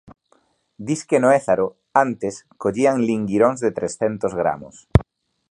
Disque no Ézaro, antes, collían linguiróns de trescentos gramos.